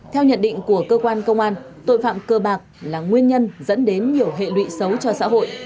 theo nhận định của cơ quan công an tội phạm cơ bạc là nguyên nhân dẫn đến nhiều hệ lụy xấu cho xã hội